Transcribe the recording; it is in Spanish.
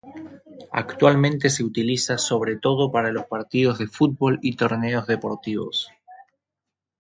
Actualmente se utiliza sobre todo para los partidos de fútbol y torneos deportivos.